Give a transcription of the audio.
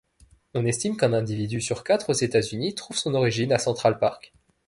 On estime qu'un individu sur quatre aux États-Unis trouve son origine à Central Park.